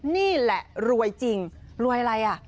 นี่แหละรวยจริงรวยอะไรอ่ะ